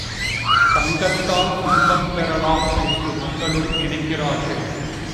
தங்கத்தால் இன்பம் பெறலாம் என்று மக்களும் நினைக்கிறார்கள்.